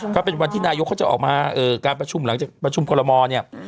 คือเป็นวันที่นายกจะออกมาการประชุมหลังจากประชุมกรมมอด